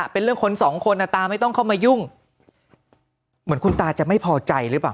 เป็นเรื่องคนสองคนตาไม่ต้องเข้ามายุ่งเหมือนคุณตาจะไม่พอใจหรือเปล่า